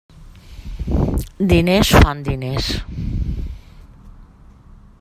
Diners fan diners.